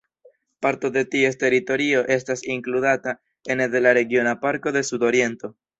Parto de ties teritorio estas inkludata ene de la Regiona Parko de Sudoriento.